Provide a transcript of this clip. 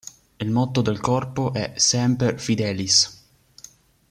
Il motto del corpo è "semper fidelis".